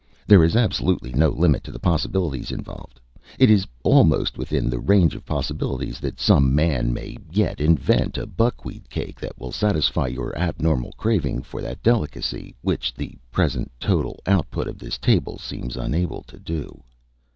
"There is absolutely no limit to the possibilities involved. It is almost within the range of possibilities that some man may yet invent a buckwheat cake that will satisfy your abnormal craving for that delicacy, which the present total output of this table seems unable to do."